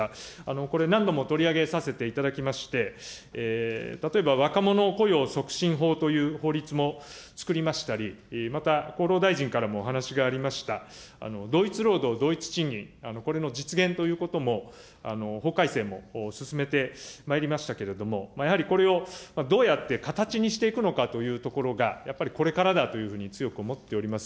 これ、何度も取り上げさせていただきまして、例えば若者雇用促進法という法律も作りましたり、また厚労大臣からもお話がありました、同一労働同一賃金、これの実現ということも法改正も進めてまいりましたけれども、やはりこれをどうやって形にしていくのかというところが、やっぱりこれからだというふうに強く思っております。